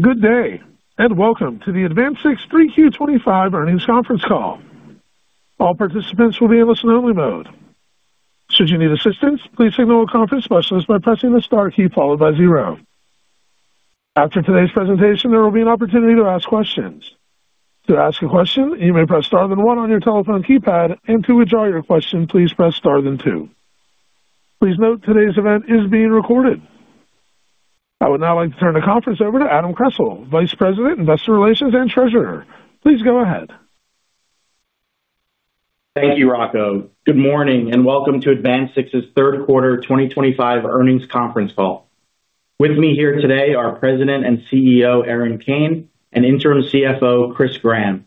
Good day, and welcome to the AdvanSix 3Q 2025 earnings conference call. All participants will be in listen-only mode. Should you need assistance, please signal a conference specialist by pressing the star key followed by zero. After today's presentation, there will be an opportunity to ask questions. To ask a question, you may press star then one on your telephone keypad, and to withdraw your question, please press star then two. Please note today's event is being recorded. I would now like to turn the conference over to Adam Kressel, Vice President, Investor Relations and Treasurer. Please go ahead. Thank you, Rocco. Good morning, and welcome to AdvanSix's third quarter 2025 earnings conference call. With me here today are President and CEO Erin Kane and Interim CFO Chris Gramm.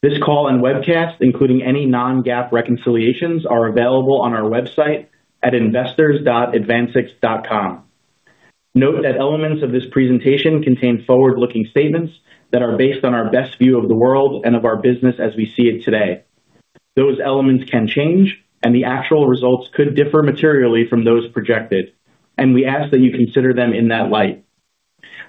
This call and webcast, including any non-GAAP reconciliations, are available on our website at investors.advanSix.com. Note that elements of this presentation contain forward-looking statements that are based on our best view of the world and of our business as we see it today. Those elements can change, and the actual results could differ materially from those projected, and we ask that you consider them in that light.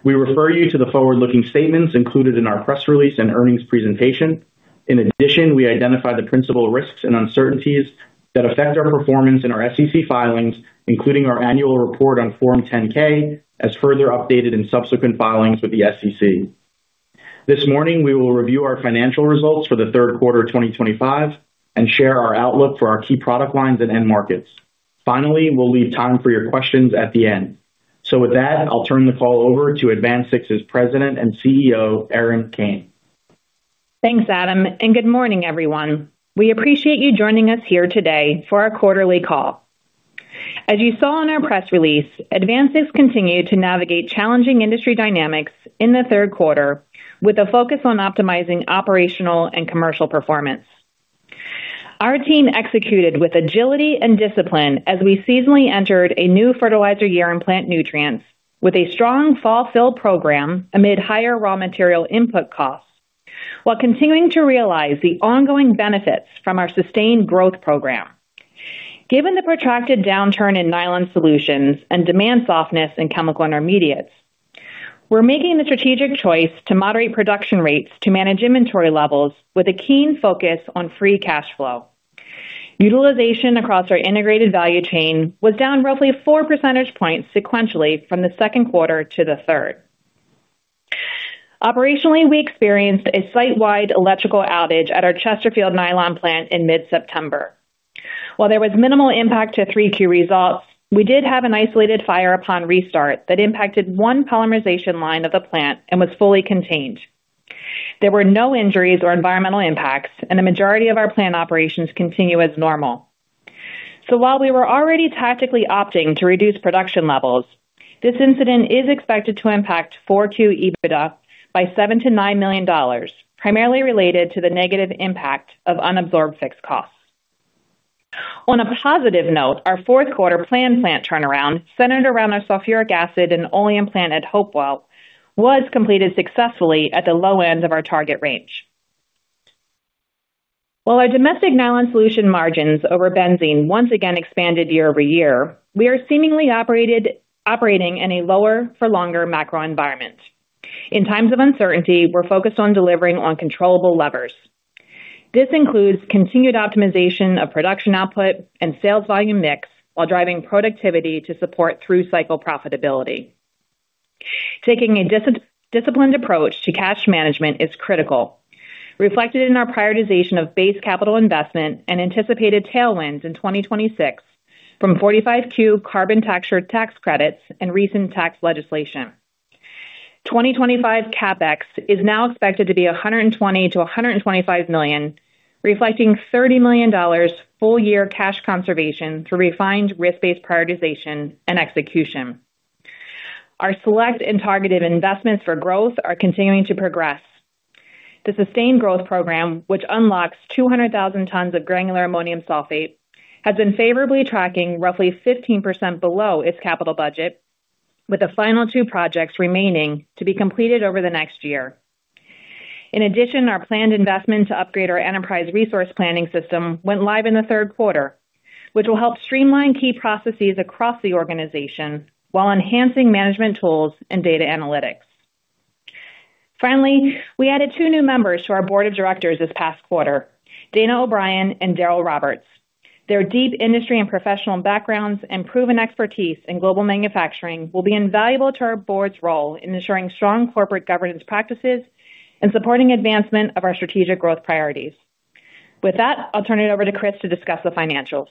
We refer you to the forward-looking statements included in our press release and earnings presentation. In addition, we identify the principal risks and uncertainties that affect our performance in our SEC filings, including our annual report on Form 10-K, as further updated in subsequent filings with the SEC. This morning, we will review our financial results for the third quarter 2025 and share our outlook for our key product lines and end markets. Finally, we'll leave time for your questions at the end. With that, I'll turn the call over to AdvanSix's President and CEO, Erin Kane. Thanks, Adam, and good morning, everyone. We appreciate you joining us here today for our quarterly call. As you saw in our press release, AdvanSix continued to navigate challenging industry dynamics in the third quarter with a focus on optimizing operational and commercial performance. Our team executed with agility and discipline as we seasonally entered a new fertilizer year in plant nutrients with a strong fall fill program amid higher raw material input costs, while continuing to realize the ongoing benefits from our sustained growth program. Given the protracted downturn in nylon solutions and demand softness in chemical intermediates, we're making the strategic choice to moderate production rates to manage inventory levels with a keen focus on free cash flow. Utilization across our integrated value chain was down roughly four percentage points sequentially from the second quarter to the third. Operationally, we experienced a site-wide electrical outage at our Chesterfield nylon plant in mid-September. While there was minimal impact to 3Q results, we did have an isolated fire upon restart that impacted one polymerization line of the plant and was fully contained. There were no injuries or environmental impacts, and the majority of our plant operations continue as normal. While we were already tactically opting to reduce production levels, this incident is expected to impact 4Q EBITDA by $7 million-$9 million, primarily related to the negative impact of unabsorbed fixed costs. On a positive note, our fourth quarter planned plant turnaround centered around our sulfuric acid and oleum plant at Hopewell was completed successfully at the low end of our target range. While our domestic nylon solution margins over benzene once again expanded year-over-year, we are seemingly operating in a lower-for-longer macro environment. In times of uncertainty, we're focused on delivering on controllable levers. This includes continued optimization of production output and sales volume mix while driving productivity to support through-cycle profitability. Taking a disciplined approach to cash management is critical, reflected in our prioritization of base capital investment and anticipated tailwinds in 2026 from 45Q carbon tax credits and recent tax legislation. 2025 CapEx is now expected to be $120 million-$125 million, reflecting $30 million full-year cash conservation through refined risk-based prioritization and execution. Our select and targeted investments for growth are continuing to progress. The sustained growth program, which unlocks 200,000 tons of granular ammonium sulfate, has been favorably tracking roughly 15% below its capital budget, with the final two projects remaining to be completed over the next year. In addition, our planned investment to upgrade our enterprise resource planning system went live in the third quarter, which will help streamline key processes across the organization while enhancing management tools and data analytics. Finally, we added two new members to our board of directors this past quarter, Dana O'Brien and Daryl Roberts. Their deep industry and professional backgrounds and proven expertise in global manufacturing will be invaluable to our board's role in ensuring strong corporate governance practices and supporting advancement of our strategic growth priorities. With that, I'll turn it over to Chris to discuss the financials.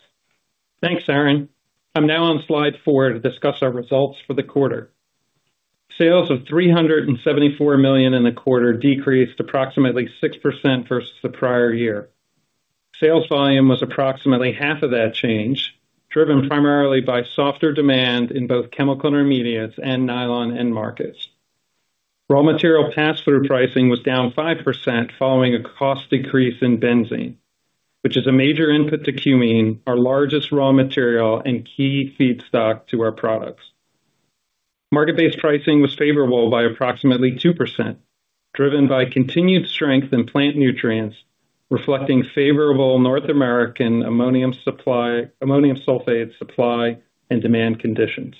Thanks, Erin. I'm now on slide four to discuss our results for the quarter. Sales of $374 million in the quarter decreased approximately 6% versus the prior year. Sales volume was approximately half of that change, driven primarily by softer demand in both chemical intermediates and nylon end markets. Raw material pass-through pricing was down 5% following a cost decrease in benzene, which is a major input to cumene, our largest raw material and key feedstock to our products. Market-based pricing was favorable by approximately 2%, driven by continued strength in plant nutrients, reflecting favorable North American ammonium sulfate supply and demand conditions.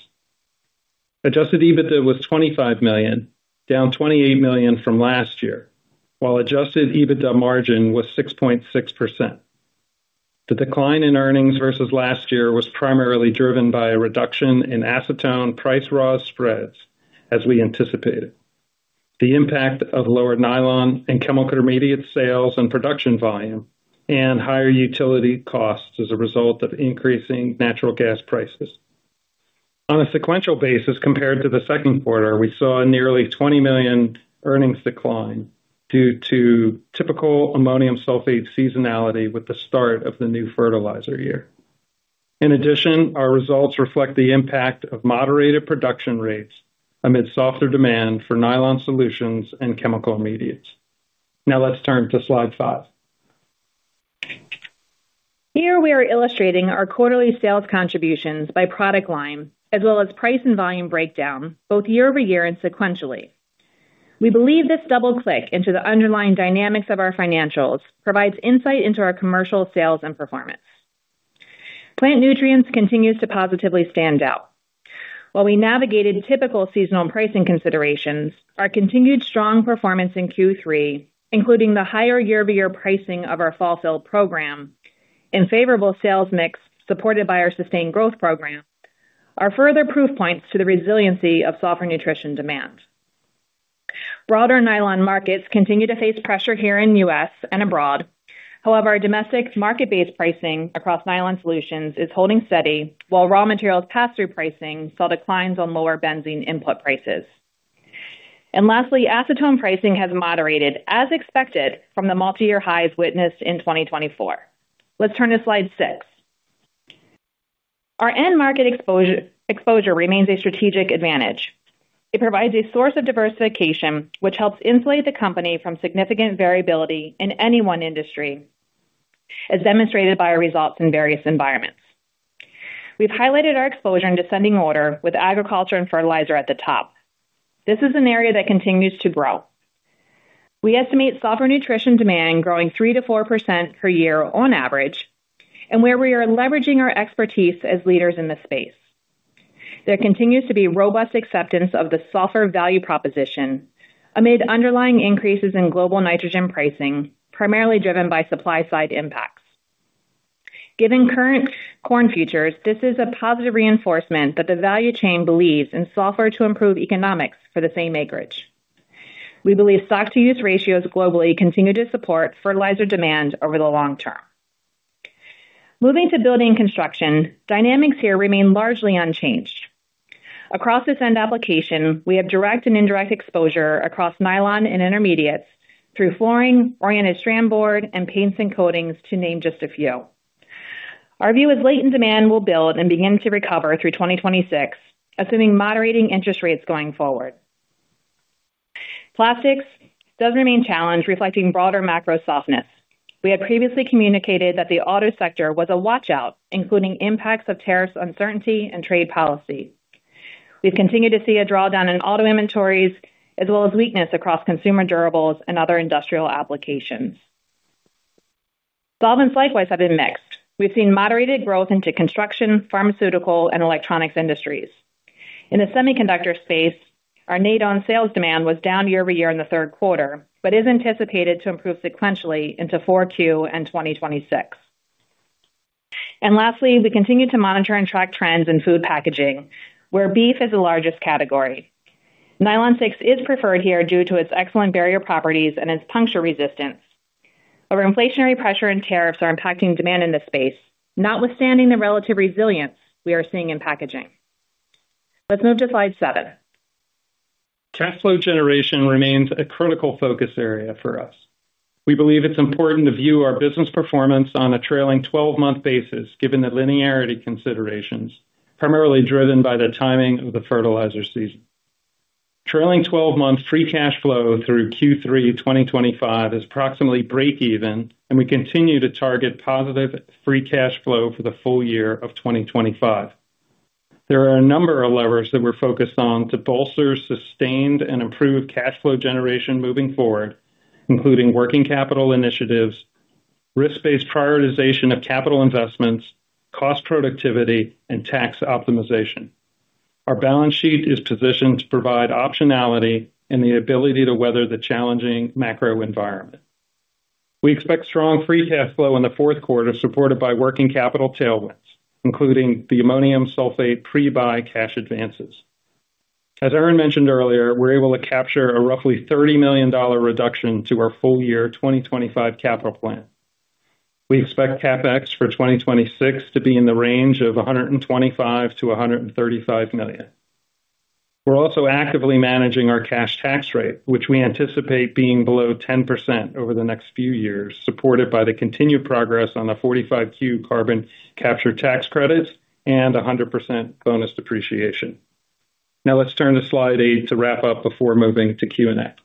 Adjusted EBITDA was $25 million, down $28 million from last year, while adjusted EBITDA margin was 6.6%. The decline in earnings versus last year was primarily driven by a reduction in acetone price raw spreads, as we anticipated. The impact of lower nylon and chemical intermediate sales and production volume and higher utility costs as a result of increasing natural gas prices. On a sequential basis, compared to the second quarter, we saw a nearly $20 million earnings decline due to typical ammonium sulfate seasonality with the start of the new fertilizer year. In addition, our results reflect the impact of moderated production rates amid softer demand for nylon solutions and chemical intermediates. Now let's turn to slide five. Here we are illustrating our quarterly sales contributions by product line, as well as price and volume breakdown, both year-over-year and sequentially. We believe this double-click into the underlying dynamics of our financials provides insight into our commercial sales and performance. Plant nutrients continues to positively stand out. While we navigated typical seasonal pricing considerations, our continued strong performance in Q3, including the higher year-over-year pricing of our fall fill program and favorable sales mix supported by our sustained growth program, are further proof points to the resiliency of softer nutrition demand. Broader nylon markets continue to face pressure here in the U.S. and abroad. However, our domestic market-based pricing across nylon solutions is holding steady, while raw materials pass-through pricing saw declines on lower benzene input prices. Lastly, acetone pricing has moderated, as expected, from the multi-year highs witnessed in 2024. Let's turn to slide six. Our end market exposure remains a strategic advantage. It provides a source of diversification, which helps insulate the company from significant variability in any one industry, as demonstrated by our results in various environments. We've highlighted our exposure in descending order, with agriculture and fertilizer at the top. This is an area that continues to grow. We estimate sulfur nutrition demand growing 3%-4% per year on average, and where we are leveraging our expertise as leaders in the space. There continues to be robust acceptance of the sulfur value proposition amid underlying increases in global nitrogen pricing, primarily driven by supply-side impacts. Given current corn futures, this is a positive reinforcement that the value chain believes in sulfur to improve economics for the same acreage. We believe stock-to-use ratios globally continue to support fertilizer demand over the long term. Moving to building construction, dynamics here remain largely unchanged. Across this end application, we have direct and indirect exposure across nylon and intermediates through flooring, oriented strand board, and paints and coatings, to name just a few. Our view is late in demand will build and begin to recover through 2026, assuming moderating interest rates going forward. Plastics does remain challenged, reflecting broader macro softness. We had previously communicated that the auto sector was a watch-out, including impacts of tariffs, uncertainty, and trade policy. We've continued to see a drawdown in auto inventories, as well as weakness across consumer durables and other industrial applications. Solvents likewise have been mixed. We've seen moderated growth into construction, pharmaceutical, and electronics industries. In the semiconductor space, our NADON sales demand was down year-over-year in the third quarter, but is anticipated to improve sequentially into 4Q and 2026. Lastly, we continue to monitor and track trends in food packaging, where beef is the largest category. Nylon Six is preferred here due to its excellent barrier properties and its puncture resistance. Our inflationary pressure and tariffs are impacting demand in this space, notwithstanding the relative resilience we are seeing in packaging. Let's move to slide seven. Cash flow generation remains a critical focus area for us. We believe it's important to view our business performance on a trailing 12-month basis, given the linearity considerations, primarily driven by the timing of the fertilizer season. Trailing 12-month free cash flow through Q3 2025 is approximately break-even, and we continue to target positive free cash flow for the full year of 2025. There are a number of levers that we're focused on to bolster sustained and improved cash flow generation moving forward, including working capital initiatives, risk-based prioritization of capital investments, cost productivity, and tax optimization. Our balance sheet is positioned to provide optionality and the ability to weather the challenging macro environment. We expect strong free cash flow in the fourth quarter, supported by working capital tailwinds, including the ammonium sulfate pre-buy cash advances. As Erin mentioned earlier, we're able to capture a roughly $30 million reduction to our full-year 2025 capital plan. We expect CapEx for 2026 to be in the range of $125 million-$135 million. We're also actively managing our cash tax rate, which we anticipate being below 10% over the next few years, supported by the continued progress on the 45Q carbon capture tax credits and 100% bonus depreciation. Now let's turn to slide eight to wrap up before moving to Q&A.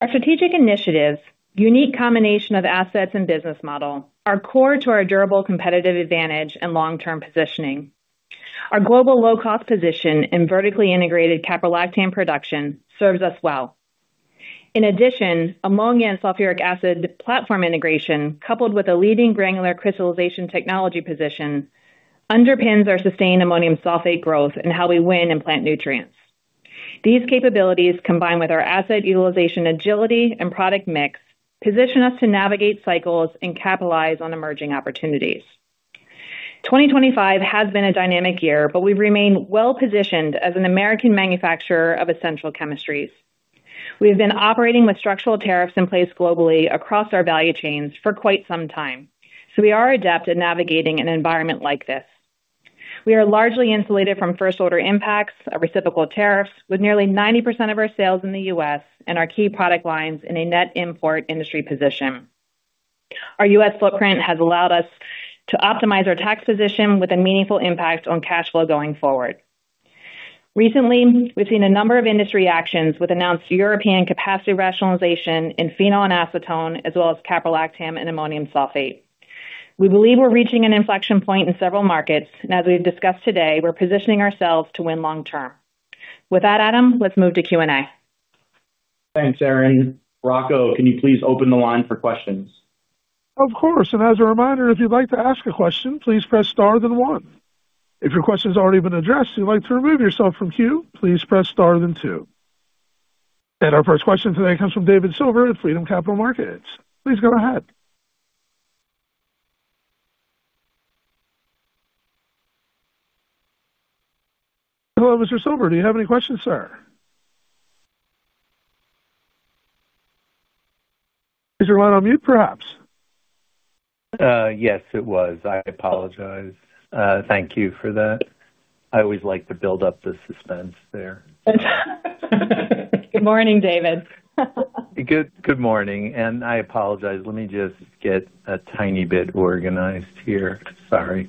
Our strategic initiatives, unique combination of assets and business model, are core to our durable competitive advantage and long-term positioning. Our global low-cost position in vertically integrated caprolactam production serves us well. In addition, ammonia and sulfuric acid platform integration, coupled with a leading granular crystallization technology position, underpins our sustained ammonium sulfate growth and how we win in plant nutrients. These capabilities, combined with our asset utilization agility and product mix, position us to navigate cycles and capitalize on emerging opportunities. 2025 has been a dynamic year, but we've remained well-positioned as an American manufacturer of essential chemistries. We have been operating with structural tariffs in place globally across our value chains for quite some time, so we are adept at navigating an environment like this. We are largely insulated from first-order impacts of reciprocal tariffs, with nearly 90% of our sales in the U.S. and our key product lines in a net import industry position. Our U.S. footprint has allowed us to optimize our tax position with a meaningful impact on cash flow going forward. Recently, we've seen a number of industry actions with announced European capacity rationalization in phenol and acetone, as well as caprolactam and ammonium sulfate. We believe we're reaching an inflection point in several markets, and as we've discussed today, we're positioning ourselves to win long-term. With that, Adam, let's move to Q&A. Thanks, Erin. Rocco, can you please open the line for questions? Of course. As a reminder, if you'd like to ask a question, please press star then one. If your question has already been addressed and you'd like to remove yourself from queue, please press star then two. Our first question today comes from David Silver at Freedom Capital Markets. Please go ahead. Hello, Mr. Silver. Do you have any questions, sir? Is your line on mute, perhaps? Yes, it was. I apologize. Thank you for that. I always like to build up the suspense there. Good morning, David. Good morning. I apologize. Let me just get a tiny bit organized here. Sorry.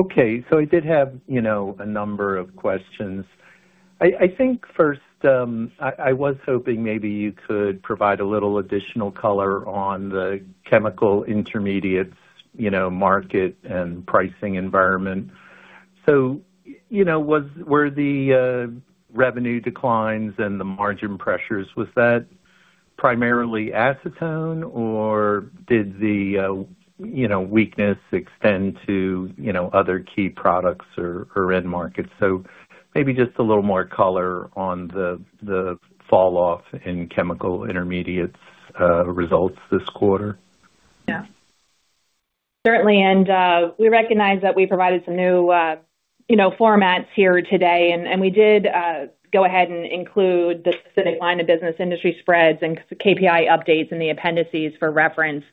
Okay, I did have a number of questions. I think first, I was hoping maybe you could provide a little additional color on the chemical intermediates market and pricing environment. Were the revenue declines and the margin pressures primarily acetone, or did the weakness extend to other key products or end markets? Maybe just a little more color on the falloff in chemical intermediates results this quarter. Yeah. Certainly. We recognize that we provided some new formats here today, and we did go ahead and include the specific line of business industry spreads and KPI updates in the appendices for reference.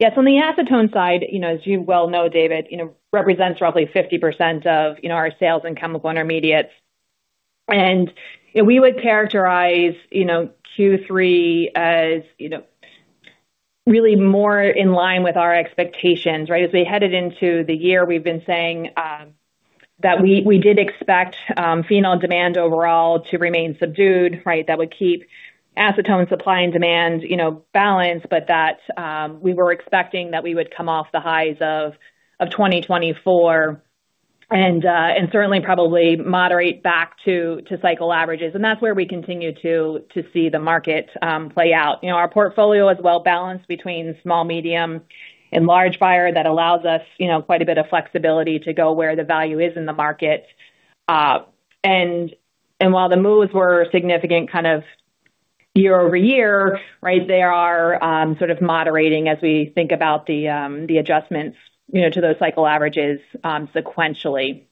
Yes, on the acetone side, as you well know, David, it represents roughly 50% of our sales in chemical intermediates. We would characterize Q3 as really more in line with our expectations, right? As we headed into the year, we've been saying that we did expect phenol demand overall to remain subdued, right? That would keep acetone supply and demand balanced, but we were expecting that we would come off the highs of 2024 and probably moderate back to cycle averages. That's where we continue to see the market play out. Our portfolio is well balanced between small, medium, and large buyer that allows us quite a bit of flexibility to go where the value is in the market. While the moves were significant kind of year-over-year, right, they are sort of moderating as we think about the adjustments to those cycle averages sequentially.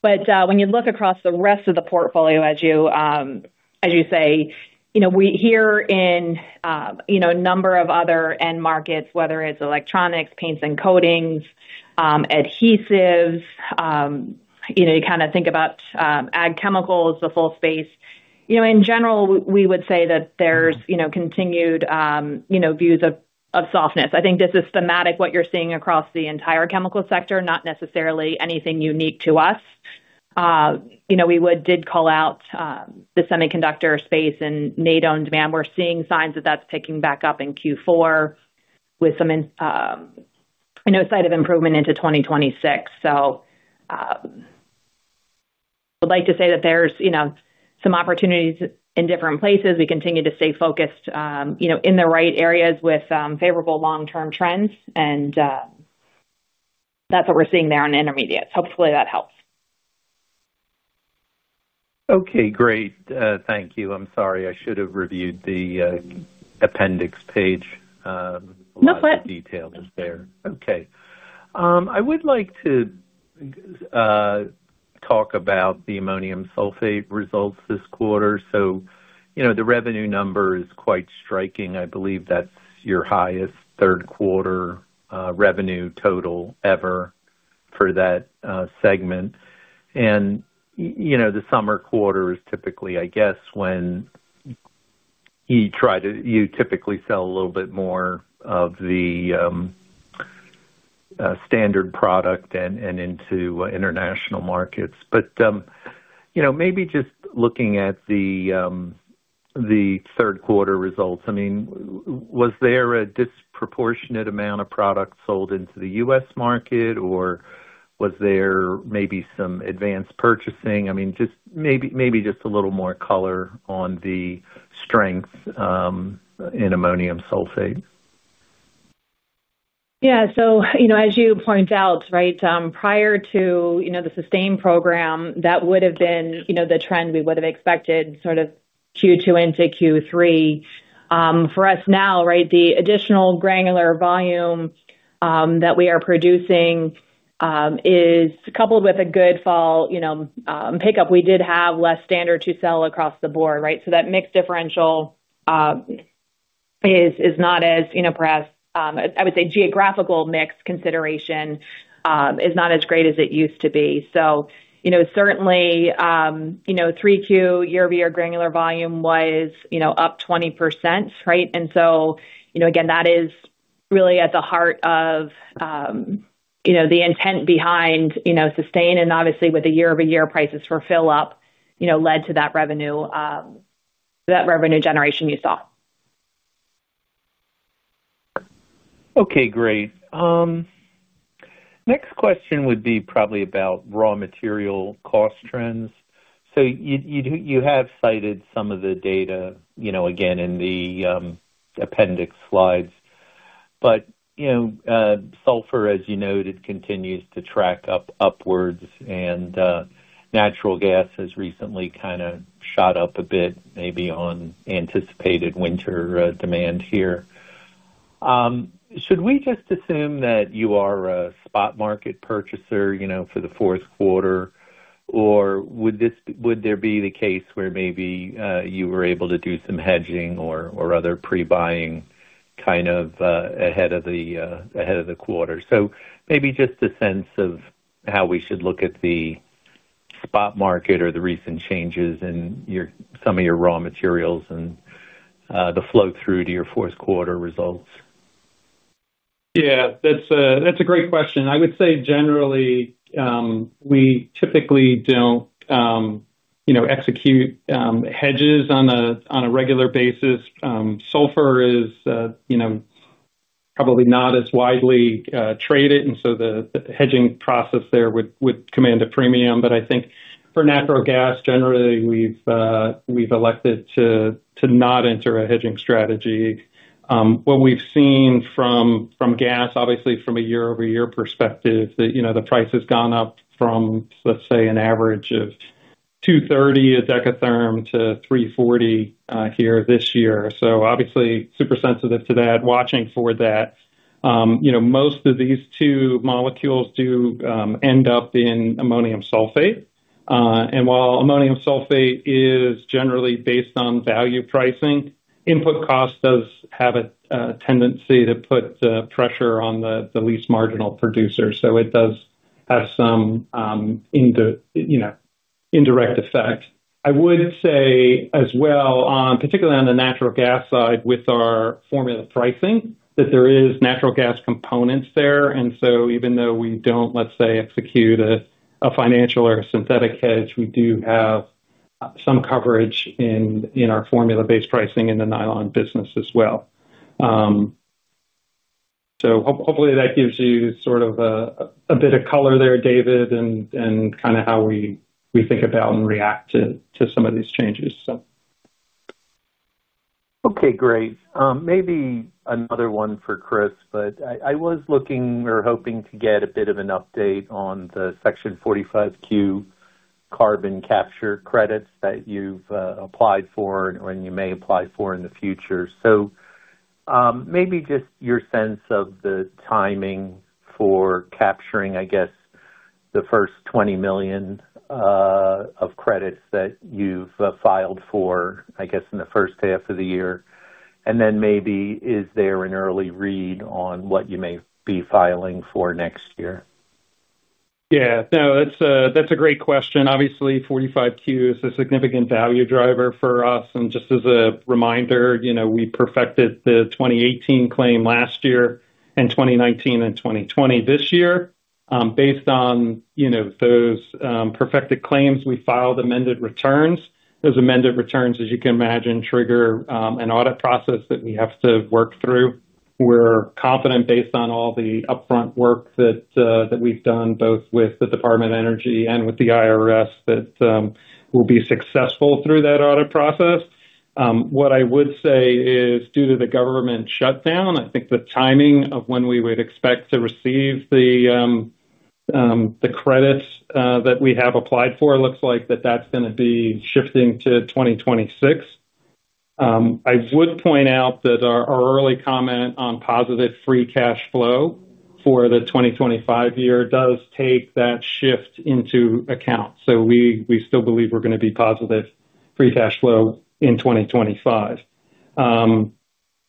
When you look across the rest of the portfolio, as you say, we hear in a number of other end markets, whether it's electronics, paints and coatings, adhesives, you kind of think about ag chemicals, the full space. In general, we would say that there's continued views of softness. I think this is thematic what you're seeing across the entire chemical sector, not necessarily anything unique to us. We did call out the semiconductor space and NADON demand. We're seeing signs that that's picking back up in Q4 with some sight of improvement into 2026. I would like to say that there's some opportunities in different places. We continue to stay focused in the right areas with favorable long-term trends, and that's what we're seeing there on intermediates. Hopefully, that helps. Okay, great. Thank you. I'm sorry. I should have reviewed the appendix page. No problem. A lot of detail is there. Okay. I would like to talk about the ammonium sulfate results this quarter. The revenue number is quite striking. I believe that's your highest third-quarter revenue total ever for that segment. The summer quarter is typically, I guess, when you typically sell a little bit more of the standard product and into international markets. Maybe just looking at the third-quarter results, I mean, was there a disproportionate amount of product sold into the U.S. market, or was there maybe some advanced purchasing? I mean, maybe just a little more color on the strength in ammonium sulfate. Yeah. As you point out, right, prior to the sustained growth program, that would have been the trend we would have expected sort of Q2 into Q3. For us now, right, the additional granular volume that we are producing is coupled with a good fall pickup. We did have less standard to sell across the board, right? That mixed differential is not as, perhaps, I would say geographical mix consideration is not as great as it used to be. Certainly, 3Q year-over-year granular volume was up 20%, right? Again, that is really at the heart of the intent behind sustained, and obviously, with the year-over-year prices for fill-up, led to that revenue generation you saw. Okay, great. Next question would be probably about raw material cost trends. You have cited some of the data again in the appendix slides. Sulfur, as you noted, continues to track upwards, and natural gas has recently kind of shot up a bit maybe on anticipated winter demand here. Should we just assume that you are a spot market purchaser for the fourth quarter, or would there be the case where maybe you were able to do some hedging or other pre-buying kind of ahead of the quarter? Maybe just a sense of how we should look at the spot market or the recent changes in some of your raw materials and the flow through to your fourth-quarter results. Yeah, that's a great question. I would say generally, we typically do not execute hedges on a regular basis. Sulfur is probably not as widely traded, and so the hedging process there would command a premium. I think for natural gas, generally, we have elected to not enter a hedging strategy. What we have seen from gas, obviously, from a year-over-year perspective, the price has gone up from, let's say, an average of $2.30 a decatherm to $3.40 here this year. Obviously, super sensitive to that, watching for that. Most of these two molecules do end up in ammonium sulfate. While ammonium sulfate is generally based on value pricing, input cost does have a tendency to put pressure on the least marginal producer. It does have some indirect effect. I would say as well, particularly on the natural gas side with our formula pricing, that there are natural gas components there. Even though we do not, let's say, execute a financial or a synthetic hedge, we do have some coverage in our formula-based pricing in the nylon business as well. Hopefully, that gives you sort of a bit of color there, David, and kind of how we think about and react to some of these changes. Okay, great. Maybe another one for Chris, but I was looking or hoping to get a bit of an update on the Section 45Q carbon capture credits that you've applied for and you may apply for in the future. Maybe just your sense of the timing for capturing, I guess, the first $20 million of credits that you've filed for, I guess, in the first half of the year. Maybe, is there an early read on what you may be filing for next year? Yeah. No, that's a great question. Obviously, 45Q is a significant value driver for us. And just as a reminder, we perfected the 2018 claim last year and 2019 and 2020 this year. Based on those perfected claims, we filed amended returns. Those amended returns, as you can imagine, trigger an audit process that we have to work through. We're confident based on all the upfront work that we've done both with the Department of Energy and with the IRS that we'll be successful through that audit process. What I would say is, due to the government shutdown, I think the timing of when we would expect to receive the credits that we have applied for looks like that that's going to be shifting to 2026. I would point out that our early comment on positive free cash flow for the 2025 year does take that shift into account. We still believe we're going to be positive free cash flow in 2025.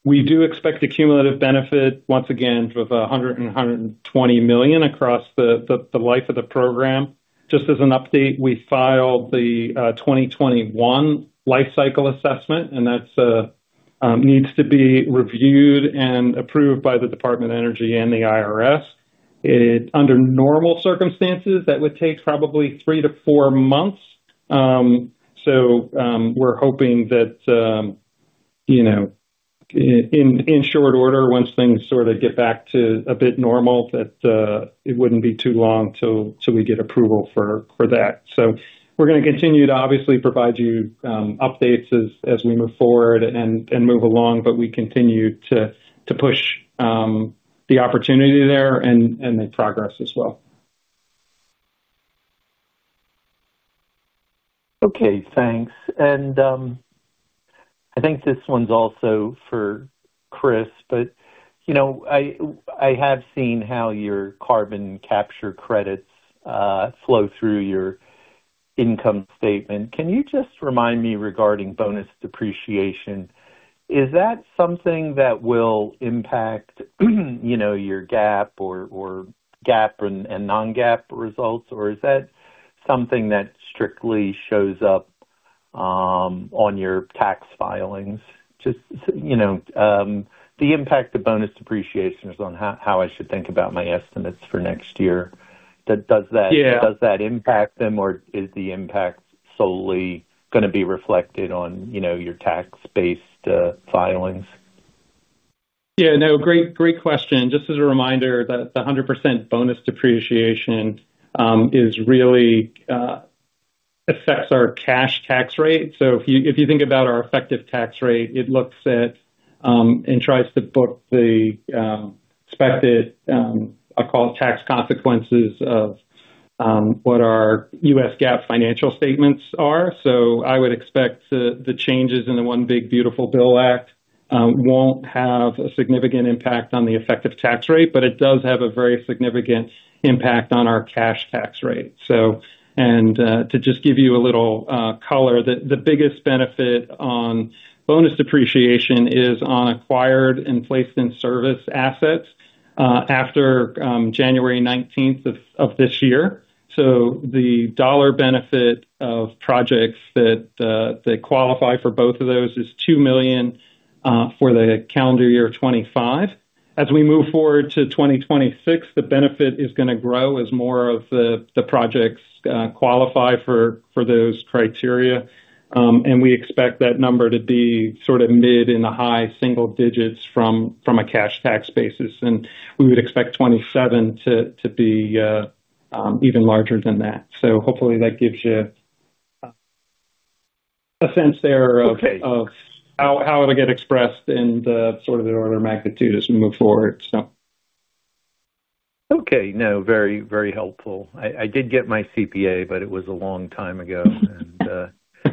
We do expect a cumulative benefit, once again, of $100 million-$120 million across the life of the program. Just as an update, we filed the 2021 life cycle assessment, and that needs to be reviewed and approved by the Department of Energy and the IRS. Under normal circumstances, that would take probably three to four months. We're hoping that in short order, once things sort of get back to a bit normal, it would not be too long until we get approval for that. We're going to continue to obviously provide you updates as we move forward and move along, but we continue to push the opportunity there and the progress as well. Okay, thanks. I think this one's also for Chris, but I have seen how your carbon capture credits flow through your income statement. Can you just remind me regarding bonus depreciation? Is that something that will impact your GAAP or GAAP and non-GAAP results, or is that something that strictly shows up on your tax filings? Just the impact of bonus depreciation is on how I should think about my estimates for next year. Does that impact them, or is the impact solely going to be reflected on your tax-based filings? Yeah, no, great question. Just as a reminder, the 100% bonus depreciation really affects our cash tax rate. If you think about our effective tax rate, it looks at and tries to book the expected, I'll call it tax consequences of what our U.S. GAAP financial statements are. I would expect the changes in the One Big Beautiful Bill Act will not have a significant impact on the effective tax rate, but it does have a very significant impact on our cash tax rate. To just give you a little color, the biggest benefit on bonus depreciation is on acquired and placed-in-service assets after January 19th, 2024. The dollar benefit of projects that qualify for both of those is $2 million for the calendar year 2025. As we move forward to 2026, the benefit is going to grow as more of the projects qualify for those criteria. We expect that number to be sort of mid and a high single digits from a cash tax basis. We would expect 2027 to be even larger than that. Hopefully, that gives you a sense there of how it'll get expressed in sort of the order of magnitude as we move forward. Okay, no, very, very helpful. I did get my CPA, but it was a long time ago.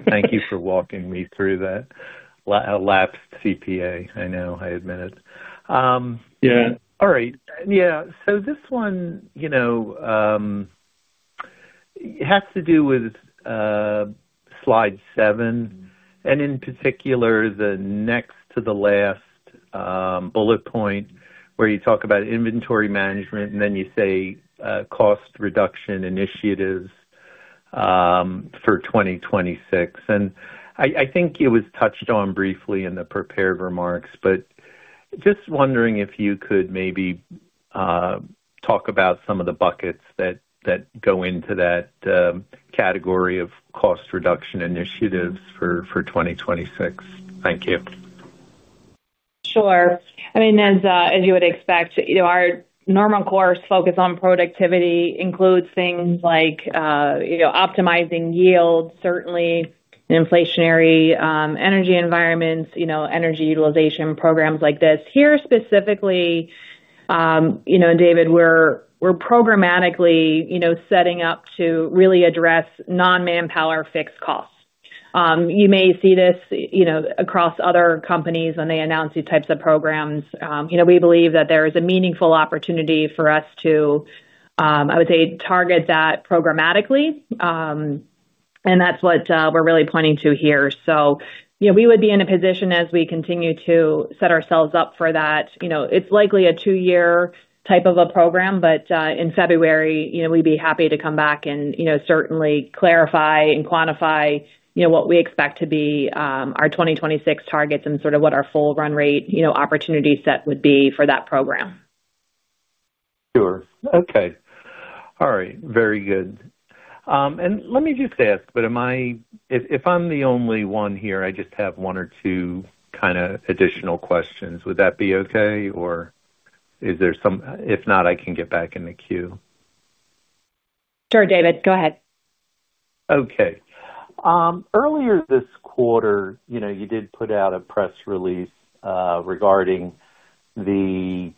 Thank you for walking me through that lapsed CPA. I know, I admit it. Yeah. All right. Yeah. So this one has to do with slide seven, and in particular, the next to the last bullet point where you talk about inventory management, and then you say cost reduction initiatives for 2026. And I think it was touched on briefly in the prepared remarks, but just wondering if you could maybe talk about some of the buckets that go into that category of cost reduction initiatives for 2026. Thank you. Sure. I mean, as you would expect, our normal course focus on productivity includes things like optimizing yield, certainly inflationary energy environments, energy utilization programs like this. Here specifically, David, we're programmatically setting up to really address non-manpower fixed costs. You may see this across other companies when they announce these types of programs. We believe that there is a meaningful opportunity for us to, I would say, target that programmatically. And that's what we're really pointing to here. We would be in a position as we continue to set ourselves up for that. It's likely a two-year type of a program, but in February, we'd be happy to come back and certainly clarify and quantify what we expect to be our 2026 targets and sort of what our full run rate opportunity set would be for that program. Sure. Okay. All right. Very good. Let me just ask, if I'm the only one here, I just have one or two kind of additional questions. Would that be okay, or is there some? If not, I can get back in the queue. Sure, David. Go ahead. Okay. Earlier this quarter, you did put out a press release regarding the,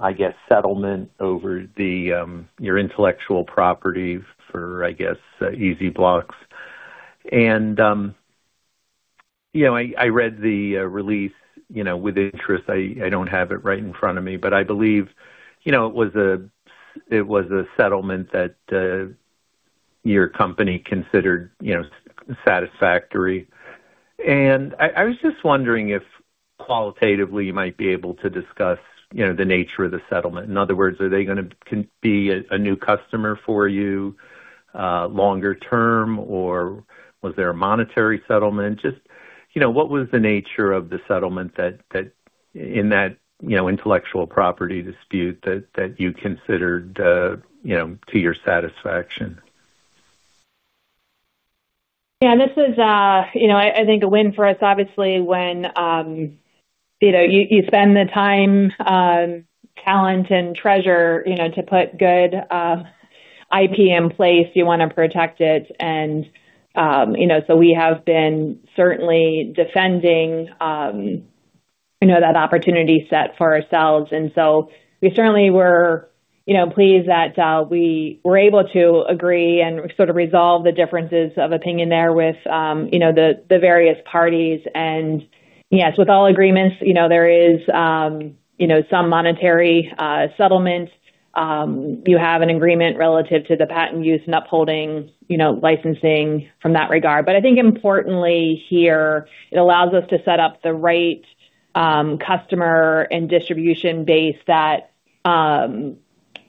I guess, settlement over your intellectual property for, I guess, Easy Blocks. I read the release with interest. I do not have it right in front of me, but I believe it was a settlement that your company considered satisfactory. I was just wondering if qualitatively you might be able to discuss the nature of the settlement. In other words, are they going to be a new customer for you longer term, or was there a monetary settlement? Just what was the nature of the settlement in that intellectual property dispute that you considered to your satisfaction? Yeah, this is, I think, a win for us, obviously, when you spend the time, talent, and treasure to put good IP in place, you want to protect it. We have been certainly defending that opportunity set for ourselves. We certainly were pleased that we were able to agree and sort of resolve the differences of opinion there with the various parties. Yes, with all agreements, there is some monetary settlement. You have an agreement relative to the patent use and upholding licensing from that regard. I think importantly here, it allows us to set up the right customer and distribution base that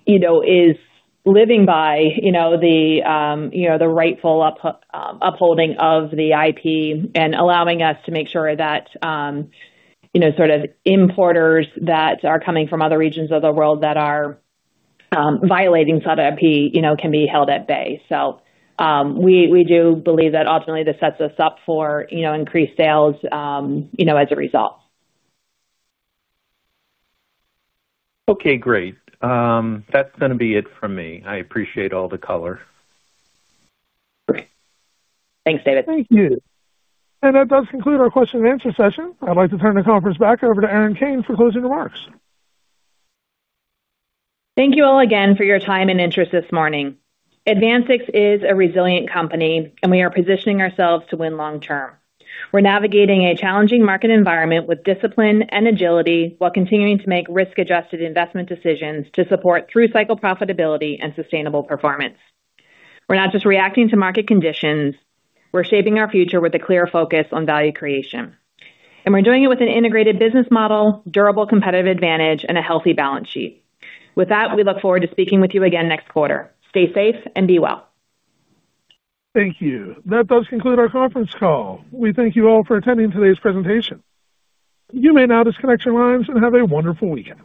is living by the rightful upholding of the IP and allowing us to make sure that sort of importers that are coming from other regions of the world that are violating SADAP can be held at bay. We do believe that ultimately this sets us up for increased sales as a result. Okay, great. That's going to be it from me. I appreciate all the color. Great. Thanks, David. Thank you. That does conclude our question-and-answer session. I'd like to turn the conference back over to Erin Kane for closing remarks. Thank you all again for your time and interest this morning. AdvanSix is a resilient company, and we are positioning ourselves to win long-term. We're navigating a challenging market environment with discipline and agility while continuing to make risk-adjusted investment decisions to support through-cycle profitability and sustainable performance. We're not just reacting to market conditions. We're shaping our future with a clear focus on value creation. We're doing it with an integrated business model, durable competitive advantage, and a healthy balance sheet. With that, we look forward to speaking with you again next quarter. Stay safe and be well. Thank you. That does conclude our conference call. We thank you all for attending today's presentation. You may now disconnect your lines and have a wonderful weekend.